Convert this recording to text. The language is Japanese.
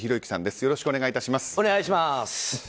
よろしくお願いします。